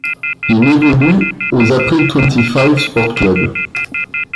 Il évolue au April Twenty-Five Sports Club.